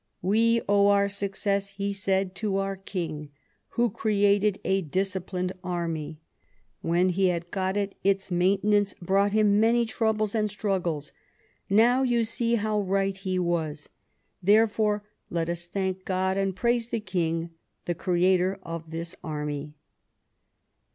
" We owe our success," he said, " to our King, who created a disciplined army. W^en he had got it, its maintenance brought him many troubles and struggles ; now you see how right he was. There fore let us thank God, and praise the King, the creator of this army."